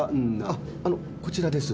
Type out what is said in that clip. あっあのこちらです。